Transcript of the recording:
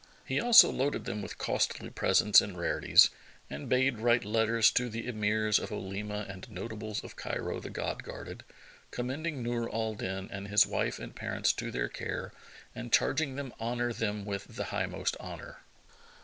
He also loaded them with costly presents and rarities and bade write letters to the Emirs and Olema and notables of Cairo the God guarded, commending Nur al Din and his wife and parents to their care and charging them honour them with the highmost honour.